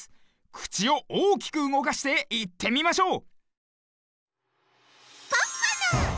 くちをおおきくうごかしていってみましょう。